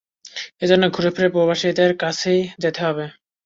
এ জন্য ঘুরেফিরে ব্যবসায়ীদের কাছেই যেতে হবে।